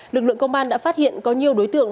lực lượng công an đã phát hiện có nhiều đối tượng